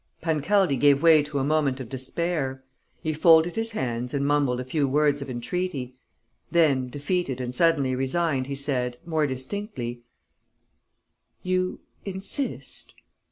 Pancaldi gave way to a moment of despair. He folded his hands and mumbled a few words of entreaty. Then, defeated and suddenly resigned, he said, more distinctly: "You insist?..."